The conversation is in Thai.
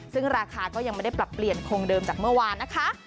ซึ่งราคาก็ยังไม่ได้ปรับเปลี่ยนคงเดิมจากเมื่อวานนะคะ